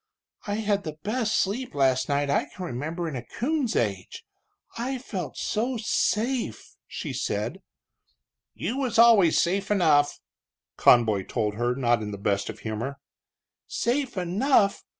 "I had the best sleep last night I can remember in a coon's age I felt so safe," she said. "You always was safe enough," Conboy told her, not in the best of humor. "Safe enough!